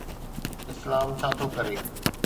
اسلام ڇا ٿو ڪري؟